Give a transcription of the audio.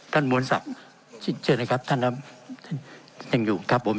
ท่านมวลศัพท์เชิญนะครับท่านท่านยังอยู่ครับผม